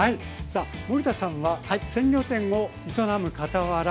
森田さんは鮮魚店を営むかたわら